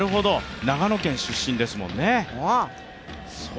長野県出身ですもんね。